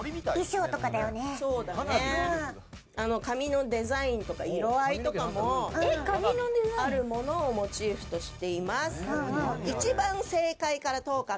髪のデザインとか色合いとかもあるものをモチーフとしています。